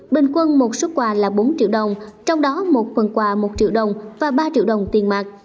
bình quân một xuất quà là bốn triệu đồng trong đó một phần quà một triệu đồng và ba triệu đồng tiền mạc